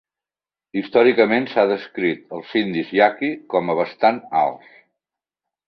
Històricament s'ha descrit els indis yaqui com a bastant alts.